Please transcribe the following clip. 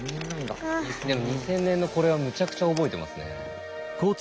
２０００年のこれはめちゃくちゃ覚えてますね。